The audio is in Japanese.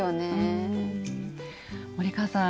森川さん